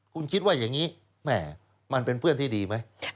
คุณคิดว่าอย่างนี้แม่มันเป็นเพื่อนที่ดีไหม